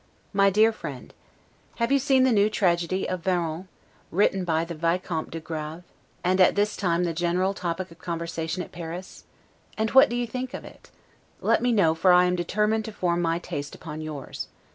S. 1752. MY DEAR FRIEND: Have you seen the new tragedy of Varon, [Written by the Vicomte de Grave; and at that time the general topic of conversation at Paris.] and what do you think of it? Let me know, for I am determined to form my taste upon yours.